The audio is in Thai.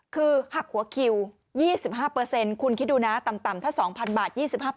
คือหักหัวคิว๒๕คุณคิดดูนะต่ำถ้า๒๐๐บาท๒๕